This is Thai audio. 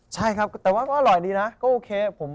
ใช่ครับแต่ว่าก็อร่อยดีนะก็โอเค